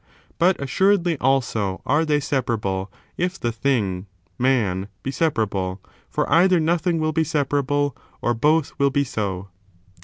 But, assuredly, also, are they separable, if the thing — ^man — ^be separable ; for either nothing will be separable, or both wiU be so.